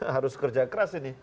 harus kerja keras ini